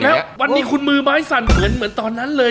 คือวันนี้คุณมือมาให้ซันเหมือนตอนนั้นเลย